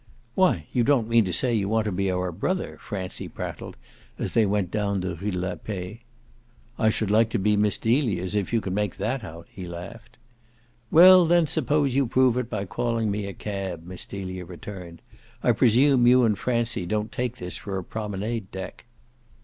"Why you don't mean to say you want to be our brother!" Francie prattled as they went down the Rue de la Paix. "I should like to be Miss Delia's, if you can make that out," he laughed. "Well then suppose you prove it by calling me a cab," Miss Delia returned. "I presume you and Francie don't take this for a promenade deck."